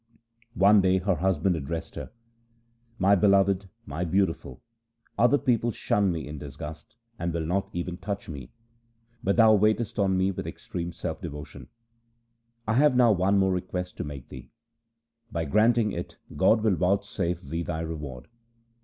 One day her husband addressed her :' My be loved, my beautiful, other people shun me in disgust, and will not even touch me, but thou waitest on LIFE OF GURU RAM DAS 267 me with extreme self devotion. I have now one more request to make thee. By granting it God will vouchsafe thee thy reward.'